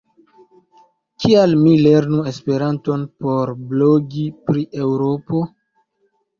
Kial mi lernu Esperanton por blogi pri Eŭropo?